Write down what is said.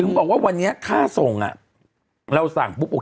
ถึงบอกว่าวันนี้ค่าส่งเราสั่งปุ๊บโอเค